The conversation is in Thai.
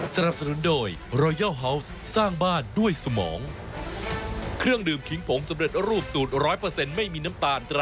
สวัสดีค่ะต้อนรับคุณผู้ชมเข้าสู่ทูวิทตีแสกหน้านะคะ